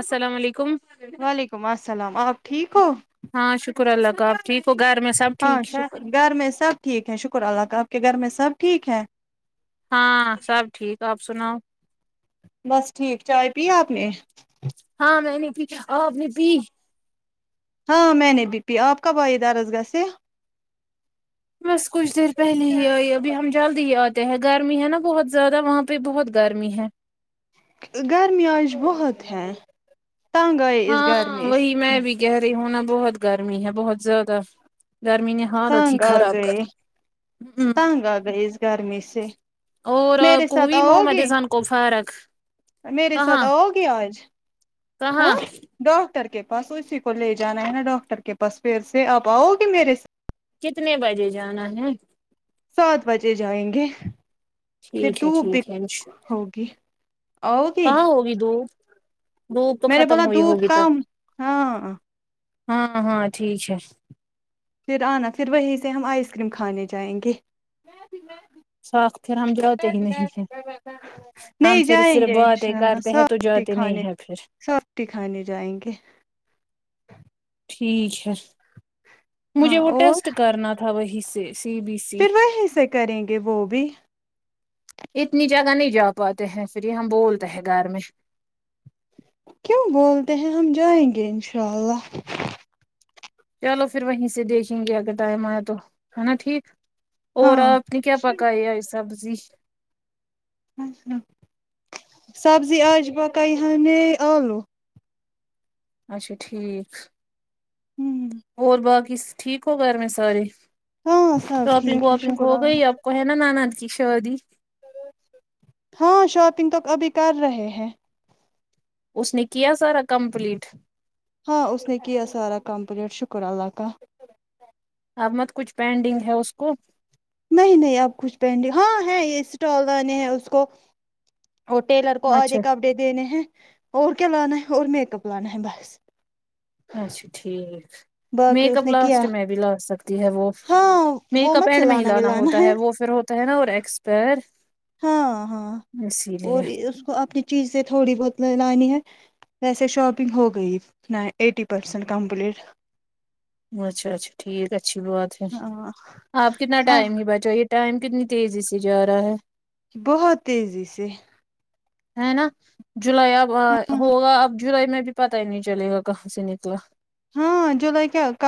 السلام علیکم وعلیکم السلام آپ ٹھیک ہو ہاں شکر اللہ کا ٹھیک کو گھر میں سب ہاں ٹھیک ہے شکر گھر میں سب ٹھیک ہے شکر اللہ کا آپ کے گھر میں سب ٹھیک ہے ہاں سب ٹھیک آپ سناؤ بس ٹھیک چائے پییا آپ نے ہاں میں نہیں تھی آ اپنی تی ہاں میں نے بی پی آپ کب آئی دراز گا سے بس کچھ دیر پہلے ہی آئی ابھی ہم جلد ہی آتے ہیں گرمی ہے نا بہت زیادہ وہاں پ بھی بہت گرمی ہے گرمی آج بہت ہے تنگ آئے اس ہاں گرمی وہی سے میں بھی کہہ رہی ہوں نا بہت گرمی ہے بہت زیادہ گرمی نے حالت ہی تنگ آ خراب گئے کر ہوں تنگ آ گئے اس گرمی سے اور میرے ساتھ کووی آؤ محمد گے سان کو فارک میرے ساتھ آؤ گے آج کہاں ہاں ڈاکٹر کے پاس اسی کو لے جانا ہے نا ڈاکٹر کے پاس پھر سے آپ آؤ گے میرے کتنے بجے جانا ہے سات بجے جائیں گے پھر ٹھیک ہے دوپ د ٹھیک ہے ہوگی آؤگی ہاں ہوگی دوپ دوپ تو میں نے ختم بولا ہوئی دھوپ ہوگی ت کم ہاں ہاں ہاں ٹھیک ہے پھر آنا پھر وہیں سے ہم آئس کریم کھانے جائیں گے ساتھ پھر ہم جاتے ہی نہیں ہیں ہم نہیں پھر جائیں صرف گے باتیں انشاء کرتے ہیں تو جتے نہیں ہے پھر تی کھانے جائیں گے ٹھیک ہے ہاں مجھے وہ اور ٹیسٹ کرنا تھا وہی سے سی بی سی پھر وہیں سے کریں گے وہ بھی اتنی جگہ نہیں جا پاتے ہیں پھر یہ ہم بولتے ہیں گھر میں کیوں بولتے ہیں ہم جائیں گے انشاء اللہ چلو پھر وہیں سے دیکھیں گے اگر ٹائم آیا تو ہ نا ٹھیک اور ہاں آپ نے کیا پکاائے آ سبزی سبزی آج بکائ ہم نے آلو اچھا ٹھیک ہمم اور باقی ٹھیک ہو گھر میں سارے ہاں سب شاپنگ ٹھیک ہے واپنگ شکر ہو اللہ گئی آپ کو ہے نا نند کی شادی ہاں شاپنگ تو ابھی کر رہے ہیں اس نے کیا سارا کمپلیٹ ہاں اس نے کیا سارا کمپلیٹ شکر اللہ کا اب مت کچھ پینڈنگ ہے اس کو نہیں نہیں اب کچھ پینڈ ہاں ہے یہ اسٹال آنے ہیں اس کو اور ٹیلر کو اچھا آدھے کپڈے دینے ہیں اور کیا لانا ہے اور میک اپ لانا ہے بس اچھا ٹھیک باقی میک اس اپ نے کیا لاسٹ میں بھی لا سکتی ہے وہ ہاں وہ میک اپ مت اینڈ میں ہی سلانا لانا ولانا ہوتا ہے وہ پھر ہوتا ہے نا اور ایکسپر ہاں ہاں اور اس کو اپنی چیز سے تھوڑی بہت لانی ہے ویسے شاپنگ ہو گئی ایٹی پرسینٹ کمپلیٹ اچھا اچھا ٹھیک اچھی بات ہے ہاں آپ کتنا ہاں ٹائم ہی بچا یہ ٹائم کتنی تیزی سے جا رہا ہے بہت تیزی سے ہے نا جولائی اب ہوگا اب جولائی میں بھی پتا ہی نہیں چلے گا کہاں سے نکلا ہاں جولائی کیا ک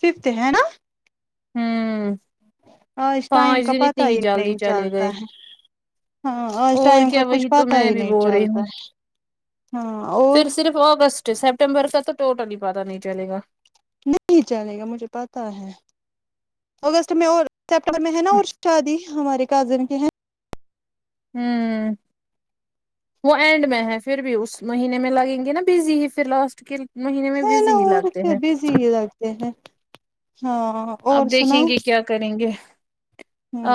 ففتھ ہے نا ہوں اج ٹائم پانچ کا دن اتنی پتا ہی جلدی نہیں چلے گئے چلتا ہے ہاں آج اور ٹائم کا کیا کچھ وہی تو پتا میں ہی بھی نہیں بول رہی چلتا ہوں ہے ہاں اور اگسٹ سیپٹمبر کا تو ٹوٹلی پتاہ نہیں چلے گا نہیں چلے گا مجھے پتا ہے اگست میں اور سپٹمبر میں ہے نا اور شادی ہمارے کازن کے ہیں ہوں وہ اینڈ میں ہے پھر بھی اس مہینے میں لگیں گے نا بزی ہی پھر لاسٹ کے مہینے میں بزی ہی لگتے ہیں جی لگتے ہیں ہاں آپ اور دیکھیں سناؤ گے کیا کریں گے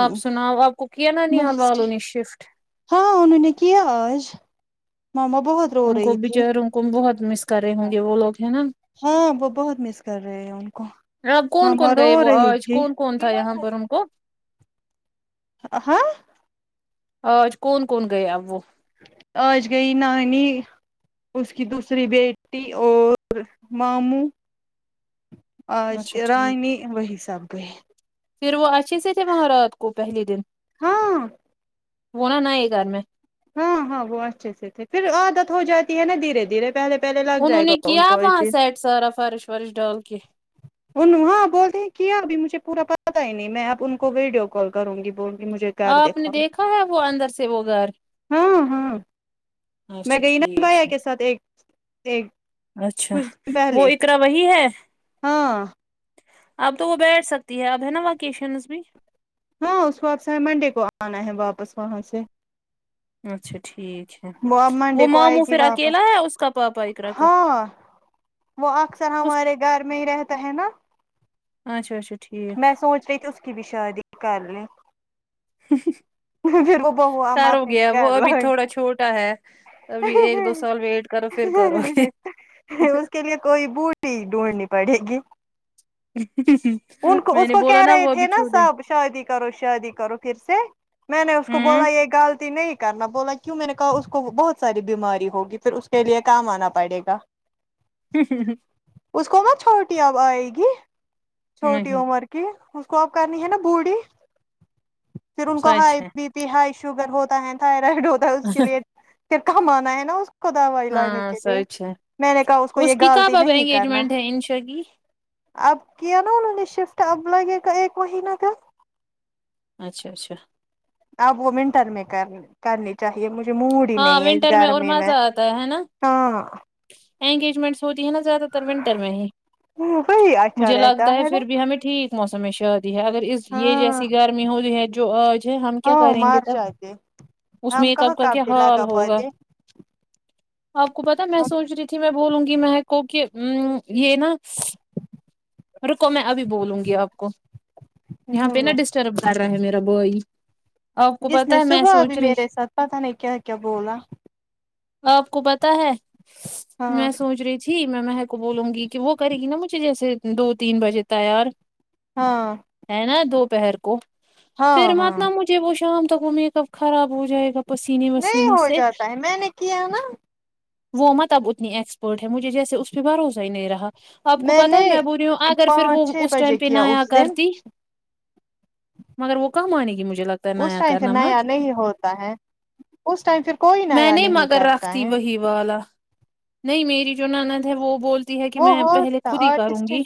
آپ سناؤ آپ کو کیا نانہال بس والوں نے شفٹ ہاں انہوں نے کیا آج ماما بہت رو ان کو رہی تھی بچاروں کو بہت مس کر رہے ہوں گے وہ لوگ ہیں نا ہاں وہ بہت مس کر رہے ہیں ان کو آپ کون ماما کون رو گئے وہ رہی آج تھی کون کون تھا یہاں پر ان کو ہاں آج کون کون گیا وہ اج گیی نانی اس کی دوسری بیٹی اور ماموں اج اچھا کی ٹھیک رانی وہی سب گیے پھر وہ اچھے سے تھے وہاں رات کو پہلے دن ہاں وہ نہ نیے گھر میں ہاں ہاں وہ اچھے سے تھے پھر عادت ہو جاتی ہے نا دھیرے دھیرے پہلے پہلے لگ انہوں جائے گا نے ان کیا کو یہ وہاں چیز۔ سیٹ سارا فرش ورش ڈال کے ان ہاں بولتے ہیں کیا اب مجھے پورا پتا ہی نہیں میں اب ان کو ویڈیو کال کروں گی بول گی مجھے گھر آپ نے دکھاؤ دیکھا ہے وہ اندر سے وہ گھر ہاں ہاں میں اچھا گئی نا بیا ٹھیک ہے کے ساتھ ایک ایک اچھا کچھ دن وہ پہلے اقرا وہی ہے ہاں اب تو وہ بیٹھ سکتی ہے اب ہے نا وکیشنز بھی ہاں اس کو آپ سے منڈے کو آنا ہے واپس وہاں سے اچھا ٹھیک ہے اب وہ منڈے کو آئے ماموں گی پھر اکیلا واپس ہے اس کا پاپا اقرأ کا ہاں وہ اکثر اس ہمارے گھر میں ہی رہتا ہے نا اچھا اچھا ٹھیک میں سوچ رہی تھی اس کی بھی شادی کر لیں ہ پھر وہ بہو ہم پر اپنے ھوگیا وہ گھر ابھی تھودہ چھوٹا ہے ابھی ایک دو لائیں سال ویٹ کرو فر کروگی اس لیے کوئی بوٹی ڈھونڈنی پڑے گی ہ ہ ان کو اس کو کہہ رہے تھے نا سب شادی کرو شادی کرو پھر سے میں نے اس کو ہوں بولا یہ غلطی نہیں کرنا بولا کیوں میں نے کہا اس کو بہت ساری بیماری ہوگی پھر کے لیے کام آنا پڑے گا ہ ہ ہ اس کو ن چھوٹی اب آئے گی چھوٹی نہیں عمر کی اس کو اب کرنی ہے نا بوڑھی پھر ان کو سچ ہے ہائی ہائی شوگر ہوتا ہے تھائرائڈ ہوتا ہے اس کے لیے پھر کم آنا ہے نا اس خودا ہوا ا ل نے ہاں کے لیے سچ ہے میں نے کہا اس کو یہ کی غالط کب اب نہیں کرنا انگیجمنٹ ہے انشا کی اب کیا نا انہوں نے شفٹ اب لگے گا ایک مہینہ کا اچھا اچھا اب وہ ونٹر میں کر کرنی چاہیے مجھے موڈ ہی ہاں نہیں ہے اس ونٹر اور گرمی میں مزہ آتا ہے نا ہاں انگیجمنٹس ہوتی ہے نا زیادہ تر ونٹر میں وہی اچھا مجھے رہتا لگتا ہے نا پھر بھی ہمیں ٹھیک موسم شادی ہے اگر اس یہ ہاں جیسی گرمی ہوی ہے جو آج ہے ہم کیا ہاں کریں گے مار تب جاتے اس میں ہم ایک اب کہاں کا کیا کابے حال لگا ہوگا پاتے آپ کو بتا میں سوچ رہی تھی میں بولوں گی مہک کو ام کی یہ نا رکو میں ابھی بولوں گی آپ کو یہاں پہ نہا ہم ڈسٹرب کر رہا ہے میرا بائی اس نے صبح بھی میرے ساتھ پتا نہیں کیا کیا بولا آپ کو پتا ہے ہاں میں سوچ رہی تھی جی میں مہک کو بولوگی کی وہ کریگی یہاسے دو تین بجے تیار ہاں ہے نا دوپہر کو پھر ہاں ہاں مت ن مجھے وہ شام تک وہ میکپ خراب ہوجاۓ گا پسینے نہیں وسینے ہو سے جاتا ہے میں نے کیا نا وہ مطلب اتنی ایکسپرٹ ہے مجھے جیسے اس پہ بھروسہ ہی نہیں رہا اپ کو میں پتا نے ہے بر رہی ہو اگر پانچ فرووو چھ اس ٹائم بجے پے کیا نا آیا اس دن کرتی مگر وہ کم آنے گی مجھے لگتا ہے اس نایا ٹائم کرار پھر نمت نیا نہیں ہوتا ہے اس ٹائم پھر کوئی میں نیا نے نہیں مگر رکھ کرتا دی ہے وہی والا نہیں میری جو نند ہے وہ بول تی ہے کہ وہ میں پہلے ہوتا خود ہی کروں آرٹسٹ گی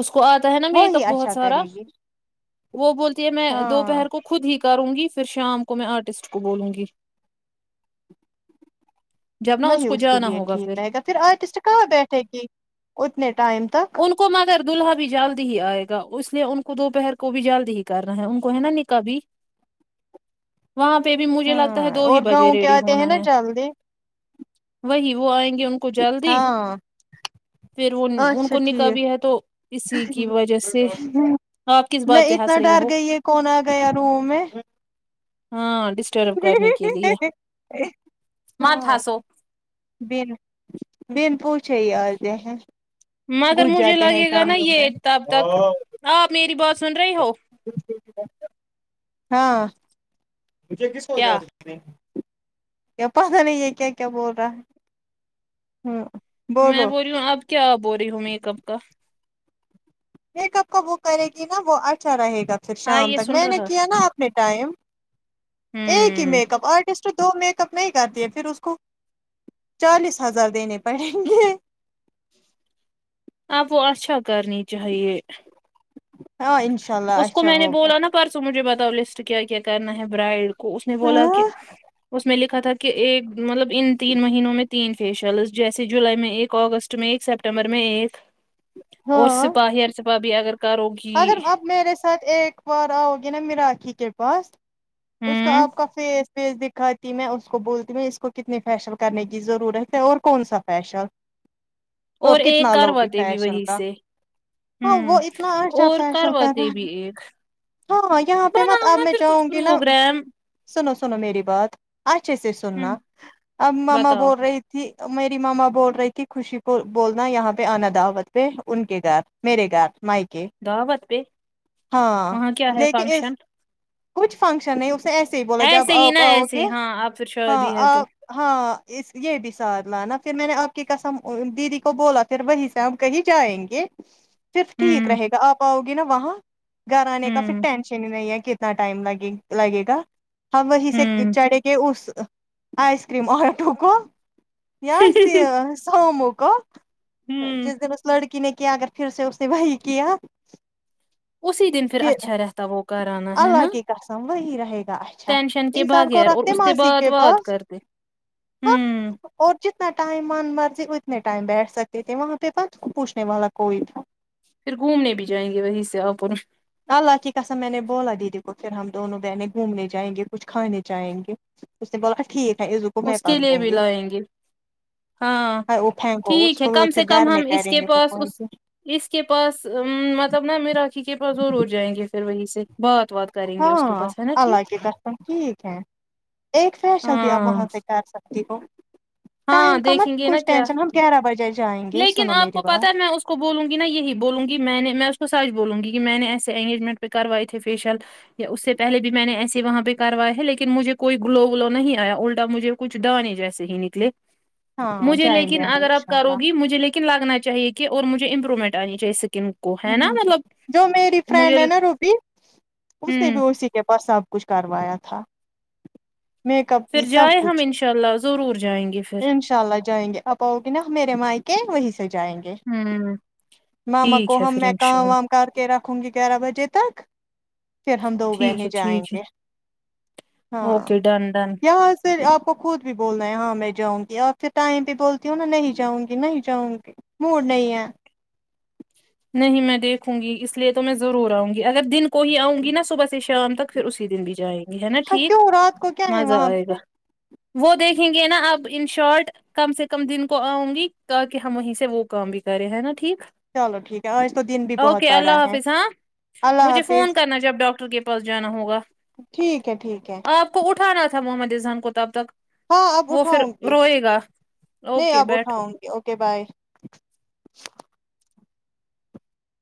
اس کو آتا ہے نا وہی میکپ بہت اچھا سارا کرے گی وہ بولتی ہے میں ہاں دوپہر کو خود ہی کروں گی پھر شام کو میں آرٹسٹ کو بولوں گی جب نا وہی کو اس کے جانا لیے ہوگا ٹھیک رہے گا پھر آرٹسٹ کہاں بیٹھے گی اتنے ٹائم تک ان کو مگر دلہا بھی جلدی ہی آئے گا اس لیے ان کو دوپہر کو بھی جلدی ہی کرنا ہے ان کو ہے نا نکاح بھی وہاں پہ بھی مجھے لگتا ہے دو ہی بجے ریڈی ہونا ہے ہلدی وہی وہ آئیں گے ان کو جلدی ہاں پھر وہ ان اچھا کو نکاح بھی ٹھیک ہے تو اسی کی وجہ سے آپ کس میں بات پہ ہنس اتنا رہی ڈر ہو گئی ہے کون آ گیا روم میں ہاں ڈسٹرب کرنے کے لیے ما تھا ہاں سو بن بن پوچھے ہی آتے ہیں مگر گھس مجھے جاتے ہیں لگے گا نا کمروں یہ میں تب تک آپ میری بات سن رہی ہو ہاں مجھے کس کو کیا یاد کیا پتا نہیں یہ کیا کیا بول رہا ہمم میں بول رہی ہوں اب کیا بول رہی ہوں میکپ کا میکپ کا وہ کرے گی نا وہ اچھا رہے گا پھر ہاں شام یہ تک سن میں نے رہا کیا نا اپنے ٹائم ایک ہی ہوں میکپ آرٹسٹ دو میک کپ نہیں کرتی ہے پھر اس کو چالیس ہزار دینے پڑیں گے اب وہ اچھا کرنی چاہیے ہاں انش اس کو میں نے بولا نا پرسوں مجھے بتاؤ لسٹ کیا کیا کرنا ہے برائڈ کو اس نے بولا کہ ہاں اس میں لکھا تھا کہ ایک مطلب ان تین مہینوں میں تین فیشلس جیسے جولائی میں ایک آگسٹ میں ایک سپتمبر میں ایک اور ہاں سپاہی اور سپاہی اگر کرو اگر گی آپ میرے ساتھ ایک بار آؤ گی نا میرا کھی کے پاس اس کا ہوں آپ کا فیس فیس دکھاتی میں اس کو بولتی ہوں اس کو کتنے فیشل کرنے کی ضرورت ہے اور کون سا فیشل اور ایک کتنا لوگی کرواتے بھی فیشن وہی کا سے ہاں ہوں وہ اتنا اچھا اور فیشل کرواتے کرا بھی ایک ہاں یہاں پہ مت بناؤ اب نا میں پھر کچھ جاؤں گی نا پروگرام سنو سنو میری بات اچھے سے ہوں سننا اب مما بتاؤ بول رہی تھی میری مما بول رہی تھی خوشی کو بولنا یہاں پہ آنا دعوت پہ ان کے گھر میرے گھر مائکے دعوت پہ ہاں وہاں کیا ہے لیکن اس فنکشن کچھ فنشن ہے ایسے ہی بولا جب ایسے ہی نا آپ آؤ ایسے گے ہی، ہاں آپ پھر ہاں شادی ہے تو آپ ہاں اس یہ بھی ساتھ لانا پھر میں نے آپ کی قسم دیدی کو بولا پھر وہی سے ہم کہیں جائیں گے [inaudible] صرف ٹھیک ہوں رہے گا آپ آؤ گی نا وہاں گھر آنے کا پھر ہوں ٹینشن ہی نہیں ہے کہ تنا ٹائم لگے لگے گا ہم وہیں سے ہوں چڑھے کے اس آئس کریم آٹو کو یا سامو کا ہوں جس دن اس لڑکی نے کیا اگر پھر سے اس نے وہی کیا اسی دن پھر اچھا رہتا وہ کرانا ہے اللہ نا [unintelligible] اچھا ٹینشن کے انسان کو بغیر اور رکھتے اس سے ماسی بات کے وات پاس کرتے ہاں ہوں اور جتنا ٹائم من مرضی اتنے ٹائم بیٹھ سکتی تھے وہاں پہ بس پوچھنے والا کوئی تھا پھر گھومنے بھی جائیں گے وہیں سے آپ اللہ کی قسم میں نے بولا دیدی کو پھر ہم دونوں بہنے گھومنے جائیں گے کچھ کھانے جائیں گے اس نے بولاا ٹھیک ہے یہ جو اس کے لیے بھی لائیں گے ہاں وہ پھینکو اس ٹھیک ہے کو کم سے پھر کم گھر میں ہم اس کریں کے گے وہ پاس اس اس کے پاس مطلب نا میرااکھی کے پاس ضرور جائیں گے پھر وہی سے بات وات کریں گے اس کے ہاں پاس ہے نا ٹھیک اللہ کے قسم ٹھیک ہے ایک فیشل دی آپ ہاں وہاں سے جار سکتی ہو ہاں ٹائم کا مت دیکھیں گے نا کچھ کیا ٹینشن ہم گیارہ بجے جائیں گے لیکن سنو آپ میری کو بات پتہ ہے میں اس کو بولوں گی نا یہی بولوںی میں نے میں اس کو سچ بولوں گ کہ میں نے ایسے انگیجمنٹ پہ کروائے تھے فیشیل یا اس سے پہلے بھی میں نے ایسے وہاں پہ کروائے ہے لیکن مجھے کوئی گلو ولو نہیں آیا اٹا مجھے کچھ دانے جیسے ہی نکلے ہاں مجھے جائیں گے لیکن ہم اگر آپ انشاء کرو گی مجھے لیکن لگنا چاہیے کہ اور مجھے امپرومنٹ آنی چاہیے سکن ہ جو میری فرینڈ ہے نا روبی اس نے بھی ہوں اسی کے پاس آپ کچھ کروایا تھا میک اپ بھی پھر سب جائیں ہم کچھ انشاء اللہ ضرور جائیں گے پھر ان شاء اللہ جائیں گے اب پؤ گی نا میرے مائکے وہیں سے جائیں گے ہم ماما ٹھیک کو ہے ہم پھر میں انشاء کام اللہ وام کر کے رکھوں گی گیارہ بجے تک پھر ہم دو ٹھیک بہنے ہے جائیں ٹھیک ہے گے ہاں اوکے ڈن ڈن یا آ پھر آپ کو خود بھی بولنا ہے ہاں میں جاؤں گی آپ سےھر ٹائم بھیہ بولتی ہوں نا نہیں جاؤں گی نہیں جاؤں گی موڑ نہیں ہے نہیں میں دیکھوں گی اس لیے تو میں ضرور آؤں گی اگر دن کو ہی آؤں گی نا صبح سے شام تک پھر اسی دن بھی جائیں گے ہے نا ہاں ٹھیک کیوں رات کو کیا ہے مزہ وہاں آئے گا پہ وہ دیکھیں گے نا اب ان شارٹ کم سے کم دن کو آؤں گی تاکہ ہم وہیں سے وہ کام بھی کریں ہے نا ٹھیک چلو ٹھیک ہے اج تو دن بھی بہت اوکے بڑا اللہ ہے حافظ ہاں اللہ مجھے فون حافظ کرنا جب ڈاکٹر کے پاس جانا ہوگا ٹھیک ہے ٹھیک ہے آپ کو اٹھانا تھا محمد اذہان کو تب تک ہاں آب وہ پھر اٹھاؤں گی روئے گا نہیں اوکے آب بیٹھو اٹھاؤں گی اوکے بائے